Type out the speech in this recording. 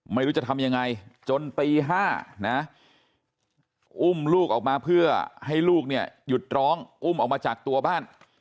ไม่รู้จะทำยังไงจนตี๕นะอุ้มลูกออกมาเพื่อให้ลูกเนี่ยหยุดร้องอุ้มออกมาจากตัวบ้าน